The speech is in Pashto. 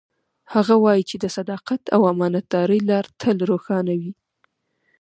هغه وایي چې د صداقت او امانتدارۍ لار تل روښانه وي